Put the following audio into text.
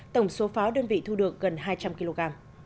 tổng số pháo đơn vị thu được gần hai trăm linh kg